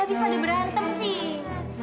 habis pada berantem sih